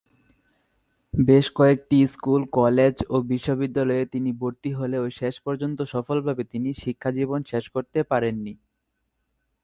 বেশ কয়েকটি school, college ও বিশ্ববিদ্যালয়ে তিনি ভর্তি হলেও শেষ পর্যন্ত সফলভাবে তিনি শিক্ষাজীবন শেষ করতে পারেননি।